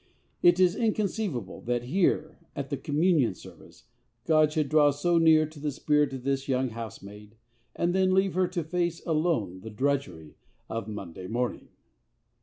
It is inconceivable that here, at the Communion Service, God should draw so near to the spirit of this young housemaid, and then leave her to face alone the drudgery of Monday morning.